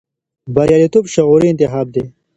بریالیتوب شعوري انتخاب دی.